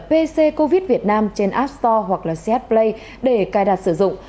pc covid việt nam trên app store hoặc là ch play để cài đặt sử dụng